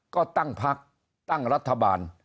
ก็ตั้งพักตั้งรัฐบาล